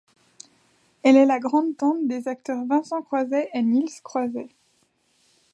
Elle est la grande-tante des acteurs Vincent Croiset et Niels Croiset.